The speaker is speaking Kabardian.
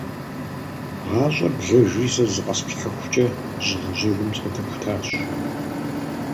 ГъащӀэр блэжри, сэ зыкъэсплъыхьыхукӀэ, жьыгъэ жьэгум сыкъыдэхутащ.